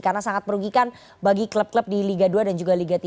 karena sangat merugikan bagi klub klub di liga dua dan juga liga tiga